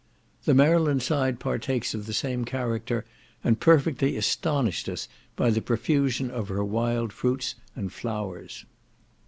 The Maryland side partakes of the same character, and perfectly astonished us by the profusion of her wild fruits and flowers.